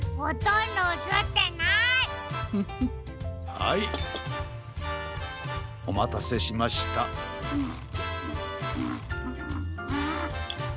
はいおまたせしました。んんん。